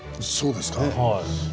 そうですか？